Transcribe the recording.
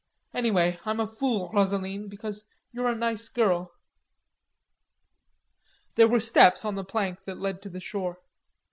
Anyway, I'm a fool, Rosaline, because you're a nice girl." There were steps on the plank that led to the shore.